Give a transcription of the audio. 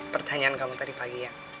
pertanyaan kamu tadi pagi ya